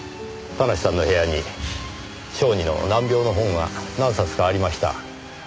田無さんの部屋に小児の難病の本が何冊かありました。